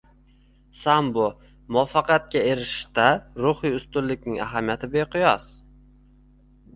Sambo: Muvaffaqiyatga erishishda ruhiy ustunlikning ahamiyati beqiyosng